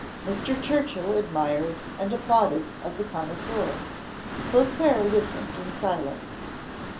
Mr. Churchill admired and applauded as a connoisseur. Beauclerc listened in silence.